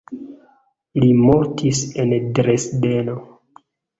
Li mortis en Dresdeno.